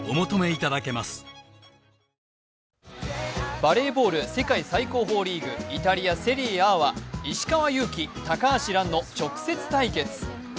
バレーボール世界最高峰リーグ、イタリア・セリエＡは石川祐希、高橋藍の直接対決。